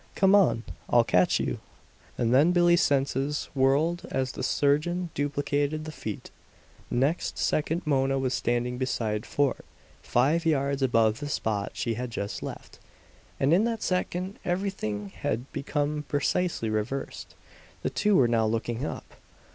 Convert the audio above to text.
"Come on; I'll catch you!" And then Billie's senses whirled as the surgeon duplicated the feat. Next second Mona was standing beside Fort, five yards above the spot she had just left; and in that second everything had become precisely reversed; the two were now looking up!